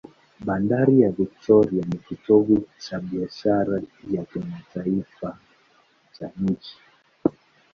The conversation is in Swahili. Bandari ya Victoria ni kitovu cha biashara ya kimataifa cha nchi.